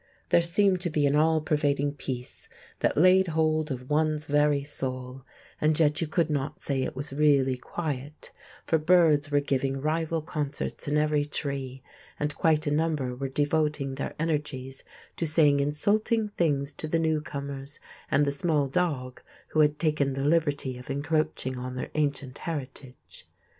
There seemed to be an all pervading peace that laid hold of one's very soul; and yet you could not say it was really quiet, for birds were giving rival concerts in every tree, and quite a number were devoting their energies to saying insulting things to the newcomers and the small dog who had taken the liberty of encroaching on their ancient heritage.